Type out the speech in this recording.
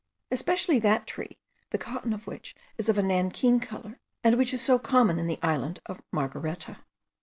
especially that tree, the cotton of which is of a nankeen colour, and which is so common in the island of Margareta.